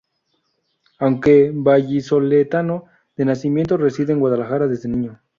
Aunque vallisoletano de nacimiento, reside en Guadalajara desde niño.